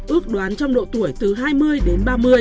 ước đoán trong độ tuổi từ hai mươi đến ba mươi